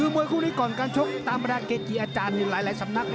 มวยคู่นี้ก่อนการชกตามประดาเกจีอาจารย์หลายสำนัก